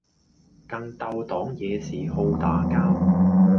更鬥黨惹事好打交